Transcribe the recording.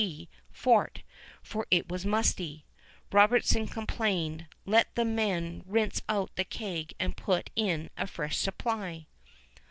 B.C. fort; it was musty, Robertson complained; let the men rinse out the keg and put in a fresh supply!